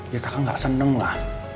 ya kakak nggak senenglah